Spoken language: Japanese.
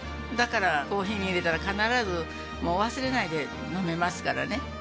だからコーヒーに入れたら必ず忘れないで飲めますからね。